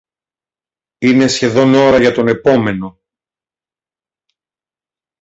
Είναι σχεδόν ώρα για τον επόμενο